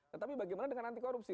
tetapi bagaimana dengan anti korupsi